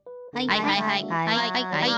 はいはいはい。